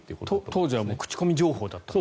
当時は口コミ情報だったと。